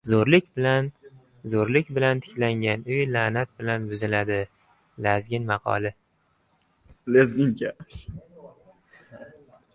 Zo‘rlik bilan tiklangan uy la’nat bilan buziladi. Lezgin maqoli